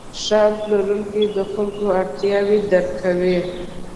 ښه پلورونکی د خلکو اړتیاوې درک کوي.